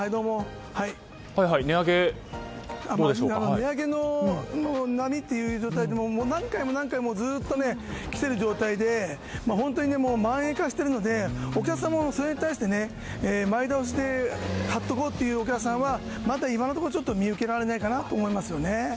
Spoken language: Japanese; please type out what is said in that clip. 値上げの波は、何回も何回もずっと来てる状態で蔓延化しているのでそれに対して前倒しで買っておこうというお客さんはまだ今のところ見受けられないかなと思います。